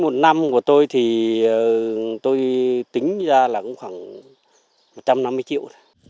mỗi một năm của tôi thì tôi tính ra là khoảng một trăm năm mươi triệu